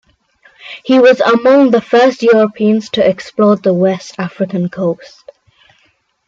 He was among the first Europeans to explore the West African coast.